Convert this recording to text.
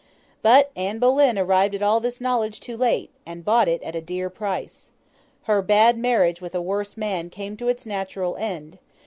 But, Anne Boleyn arrived at all this knowledge too late, and bought it at a dear price. Her bad marriage with a worse man came to its natural end.